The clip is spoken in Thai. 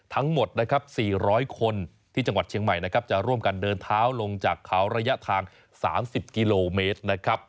ทั้งหมดนะครับ๔๐๐คนที่จังหวัดเชียงใหม่นะครับจะร่วมกันเดินเท้าลงจากเขาระยะทาง๓๐กิโลเมตรนะครับ